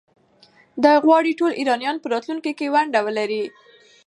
ده غواړي ټول ایرانیان په راتلونکي کې ونډه ولري.